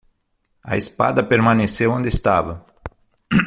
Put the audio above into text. A espada permaneceu onde estava.